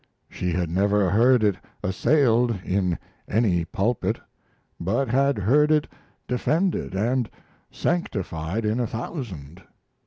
She had never heard it assailed in any pulpit, but had heard it defended and sanctified in a thousand.